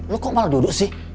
lo kok malah duduk sih